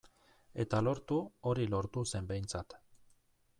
Eta lortu, hori lortu zen behintzat.